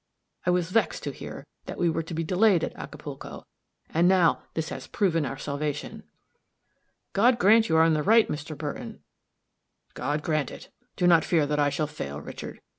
I was vexed to hear that we were to be delayed at Acapulco, and now this has proven our salvation." "God grant you are in the right, Mr. Burton." "God grant it. Do not fear that I shall fail, Richard.